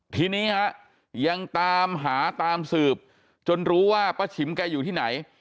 ทีนี้ฮะยังตามหาตามสืบจนรู้ว่าป้าฉิมแกอยู่ที่ไหน